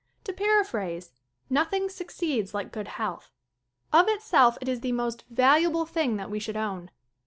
To paraphrase, nothing succeeds like good health. Of itself it is the most valuable thing that we should own.